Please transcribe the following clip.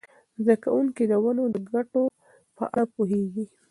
زده کوونکي د ونو د ګټو په اړه پوهیږي.